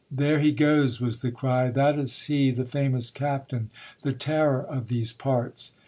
There he goes, was the cry ; that is he, the famous captain, the terror of these parts.